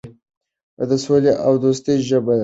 د سولې او دوستۍ ژبه ده.